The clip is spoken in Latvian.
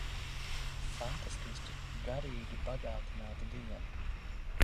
Fantastiski garīgi bagātināta diena!